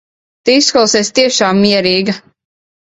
Tu izklausies tiešām mierīga.